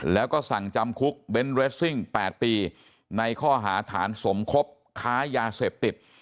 แล้วก็สั่งจำคุกเบนท์เรสซิ่ง๘ปีในข้อหาฐานสมคบค้ายาเสพติด